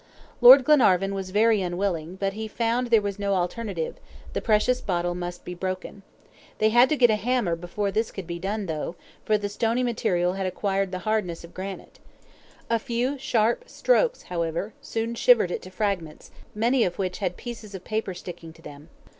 Lord Glenarvan was very unwilling, but he found there was no alternative; the precious bottle must be broken. They had to get a hammer before this could be done, though, for the stony material had acquired the hardness of granite. A few sharp strokes, however, soon shivered it to fragments, many of which had pieces of paper sticking to them.